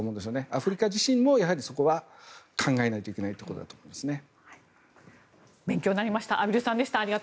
アフリカ自身もやはりそこは考えないといけないところだと思いますね。